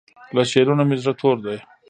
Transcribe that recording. له شعرونو مې زړه تور دی